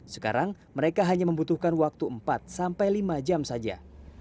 sekarang mereka hanya membutuhkan waktu empat sampai lima jam saja